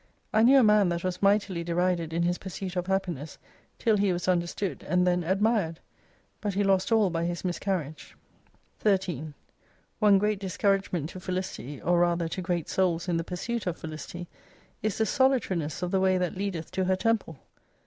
I knew a man that was mightily derided in his pursuit of happiness, till he was understood, and then admired ; but he lost all by his miscarriage. 13 One great discouragement to Felicity, or rather to great souls in the pursuit of Felicity, is the solitariness of the way that leadeth to her temple.